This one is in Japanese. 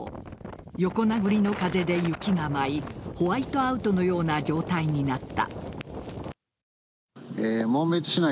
横殴りの風で雪が舞いホワイトアウトのような状態になった。